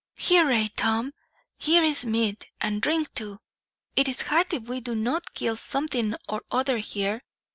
"Hurrah, Tom! Here is meat, and drink, too. It is hard if we do not kill something or other here.